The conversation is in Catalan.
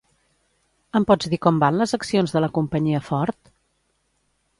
Em pots dir com van les accions de la companyia Ford?